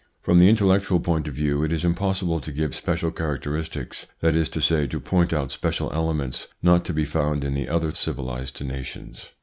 From the intellectual point of view, it is impossible to give special characteristics, that is to say to point out special elements, not to be found in the other civilised nations.